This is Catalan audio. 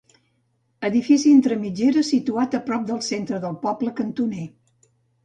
Edifici entre mitgeres situat a prop del centre del poble, cantoner.